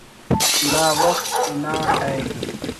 نا وخت انا ءِ